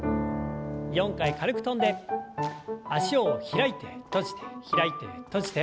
４回軽く跳んで脚を開いて閉じて開いて閉じて。